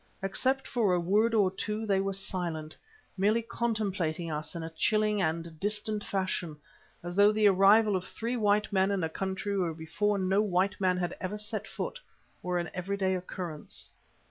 Except for a word or two they were silent, merely contemplating us in a chilling and distant fashion, as though the arrival of three white men in a country where before no white man had ever set foot were an everyday occurrence.